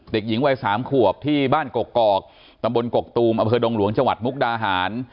เด็กหญิงวัย๓ขวบที่บ้านกกอกตำบลกกตูมอำเภอดงหลวงจังหวัดมุกดาหาร